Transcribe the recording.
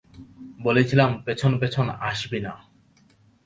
বলেছিলাম পেছন পেছন আসবি না।